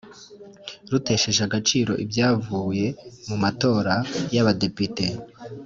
rutesheje agaciro ibyavuye mu matora y’abadepite